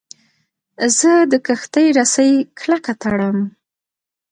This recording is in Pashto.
زه د کښتۍ رسۍ کلکه تړم.